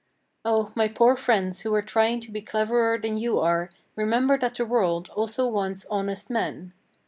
Oh, my poor friends who are trying to be cleverer than you are, remember that the world also wants honest men.